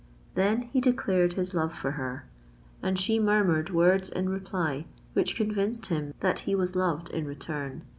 Then he declared his love for her—and she murmured words in reply which convinced him that he was loved in return.